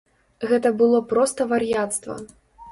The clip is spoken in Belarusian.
Гэта было проста вар'яцтва!